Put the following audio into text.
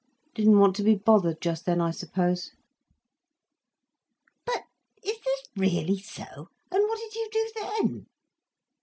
"Didn't want to be bothered just then, I suppose." "But is this really so? And what did you do then?"